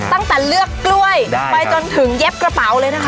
ตั้งแต่เลือกกล้วยไปจนถึงเย็บกระเป๋าเลยนะคะ